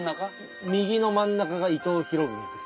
右の真ん中が伊藤博文です。